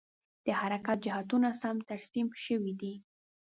د حرکت جهتونه سم ترسیم شوي دي؟